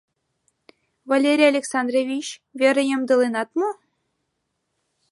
Валерий Александрович, верым ямдыленат мо?